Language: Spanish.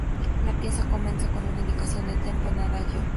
La pieza comienza con una indicación de "tempo" de "adagio".